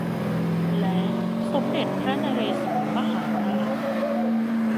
และสมเด็จพระนเรศวรมหาราช